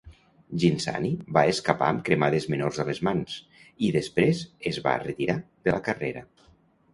Ghinzani va escapar amb cremades menors a les mans, i després es va retira de la carrera.